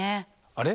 あれ？